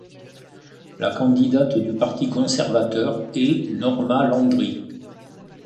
La candidate du parti conservateur est Norma Landry.